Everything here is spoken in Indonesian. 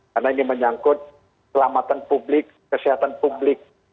karena ini menyangkut kelamatan publik kesehatan publik